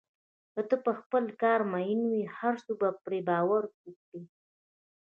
که ته په خپل کار مین وې، هر څوک به پرې باور وکړي.